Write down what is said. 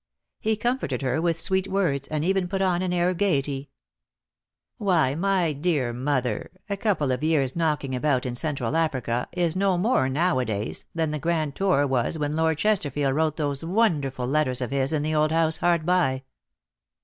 He comforted her with sweet words, and even put on an air of gaiety. DEAD LOVE HAS CHAINS. 289 "^Miy, my dear mother, a couple of years knock ing about in Central Africa is no more nowadays than the grand tour was when Lord Chesterfield wrote those wonderful letters of his in the old house hard by."